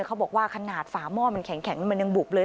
เขาบอกว่าขนาดฝาหม้อมันแข็งมันยังบุบเลย